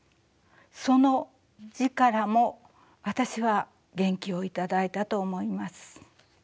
その字からも私は元気を頂いたと思います。